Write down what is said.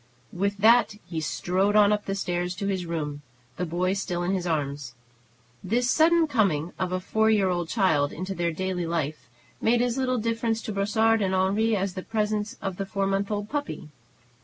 With that he strode on up the stairs to his room, the boy still in his arms. This sudden coming of a four year old child into their daily life made as little difference to Brossard and Henri as the presence of the four months old puppy.